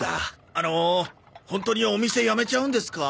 あのホントにお店やめちゃうんですか？